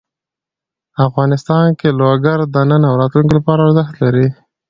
افغانستان کې لوگر د نن او راتلونکي لپاره ارزښت لري.